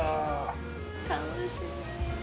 楽しみ！